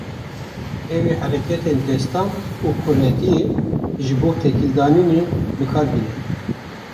Ew ê hereketên destan û quretiyê ji bo têkilîdanînê bi kar bîne.